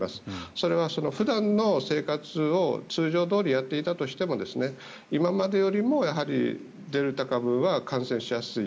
それは普段の生活を通常どおりやっていたとしても今までよりもデルタ株は感染しやすい。